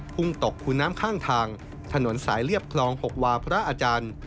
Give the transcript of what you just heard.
พุ่งตกคูน้ำข้างทางถนนสายเรียบคลอง๖วาพระอาจารย์